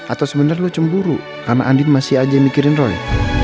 atau sebenarnya lu cemburu karena andin masih aja mikirin roy